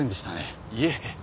いえ。